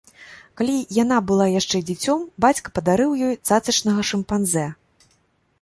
Калі яна была яшчэ дзіцем, бацька падарыў ёй цацачнага шымпанзэ.